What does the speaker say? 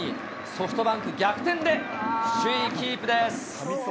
ソフトバンク、逆転で首位キープです。